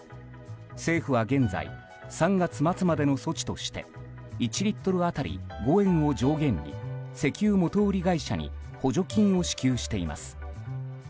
政府は現在３月末までの措置として１リットル当たり５円を上限に石油元売り会社に補助金を支給しています。